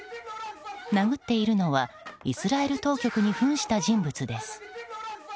殴っているのはイスラエル当局にふんした人物です。